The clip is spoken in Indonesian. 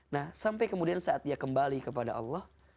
nah sampai kemudian saat dia kembali kepada allah